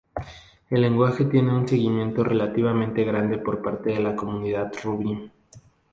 El lenguaje tiene un seguimiento relativamente grande por parte de la comunidad Ruby.